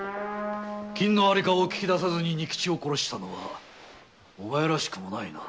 金の在りかを聞き出さずに仁吉を殺したのはお前らしくもないな。